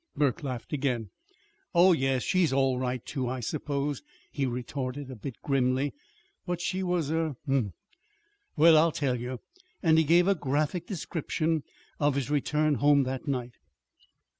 Burke laughed again. "Oh, yes, she's all right, too, I suppose," he retorted, a bit grimly. "But she was er humph! Well, I'll tell you." And he gave a graphic description of his return home that night.